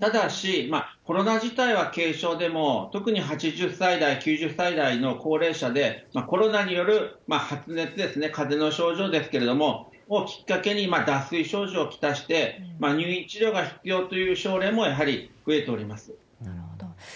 ただし、コロナ自体は軽症でも、特に８０歳代、９０歳代の高齢者で、コロナによる発熱ですね、かぜの症状ですけれども、をきっかけに脱水症状を来して、入院治療が必要という奨励もやはなるほど。